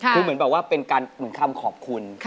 คือเหมือนเป็นคำขอบคุณ